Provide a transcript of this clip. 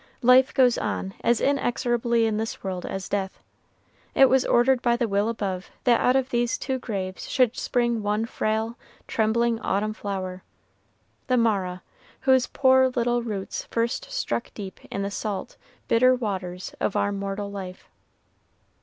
Life goes on as inexorably in this world as death. It was ordered by THE WILL above that out of these two graves should spring one frail, trembling autumn flower, the "Mara" whose poor little roots first struck deep in the salt, bitter waters of our mortal life.